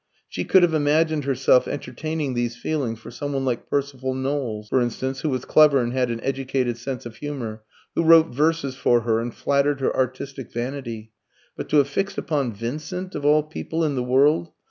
She could have imagined herself entertaining these feelings for some one like Percival Knowles, for instance, who was clever and had an educated sense of humour, who wrote verses for her and flattered her artistic vanity; but to have fixed upon Vincent of all people in the world!